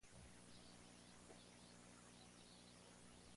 Era el último intento, el más definitivo.